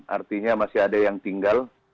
artinya masih ada yang tinggal